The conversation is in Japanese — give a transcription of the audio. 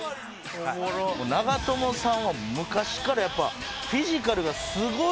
長友さんは昔からやっぱフィジカルがすごい印象があるんですよ